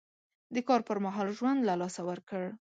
د کار پر مهال ژوند له لاسه ورکړ.